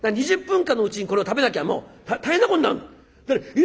２０分間のうちにこれを食べなきゃもう大変なことになる。